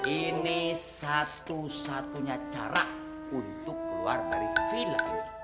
ini satu satunya cara untuk keluar dari final